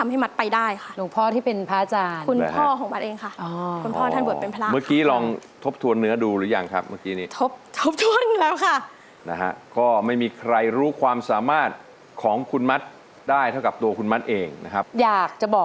สมาธิพร้อมเพลงพร้อมร้องได้ให้ร้านเพลงที่๔เพลงมาครับ